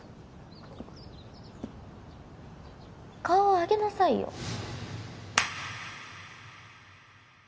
顔を上げなさいよ